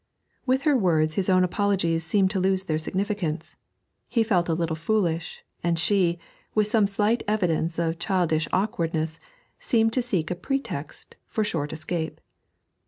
With her words his own apologies seemed to lose their significance; he felt a little foolish, and she, with some slight evidence of childish awkwardness, seemed to seek a pretext for short escape.